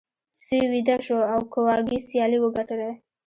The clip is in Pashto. سوی ویده شو او کواګې سیالي وګټله.